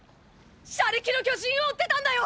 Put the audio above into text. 車力の巨人を追ってたんだよ！！